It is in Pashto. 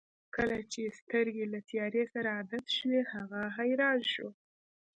کله چې سترګې یې له تیارې سره عادت شوې هغه حیران شو.